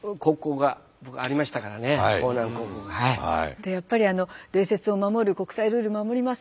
でやっぱりあの礼節を守る国際ルールを守ります